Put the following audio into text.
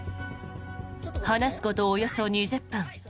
話すこと、およそ２０分。